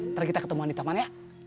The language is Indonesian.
ntar kita ketemuan di taman ya